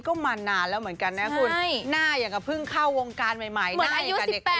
ก็มานานแล้วเหมือนกันน่ะครับคุณหน้าอย่างเผิ่งเข้าวงการใหม่หน้าเด็กเหมือนอายุ๑๘